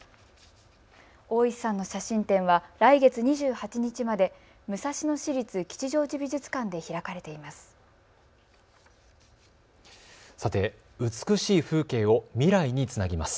大石さんの写真展は来月２８日まで武蔵野市立吉祥寺美術館で開かれています。